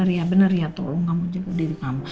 ya bener ya tolong kamu jaga diri kamu